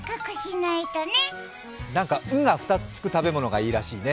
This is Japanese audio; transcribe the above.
なんか「ん」が２つ食べ物がいいらしいね。